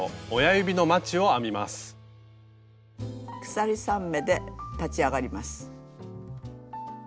鎖３目で立ち上がります。